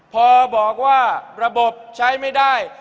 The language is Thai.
พอบอกว่าระบบใช้ไม่ได้